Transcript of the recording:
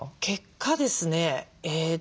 結果ですね